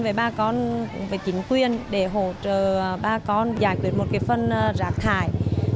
với bà con với chính quyền để hỗ trợ bà con giải quyết một phần rạng thải